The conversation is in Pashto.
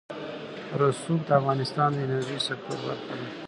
رسوب د افغانستان د انرژۍ سکتور برخه ده.